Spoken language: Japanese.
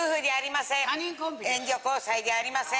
援助交際じゃありません。